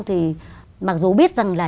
thì mặc dù biết rằng là